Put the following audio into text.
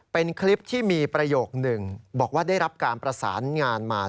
เป็นคลิปที่มีประโยคนึงบอกว่าได้รับการประสานงานมา